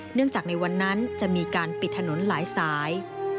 จากในวันนั้นจะมีการปิดถนนหลายสาย